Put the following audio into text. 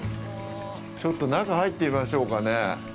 ちょっと、中、入ってみましょうかね。